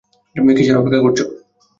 কিসের অপেক্ষা করছো?